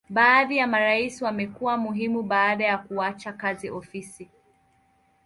Baadhi ya marais wamekuwa muhimu baada ya kuacha kazi ofisi.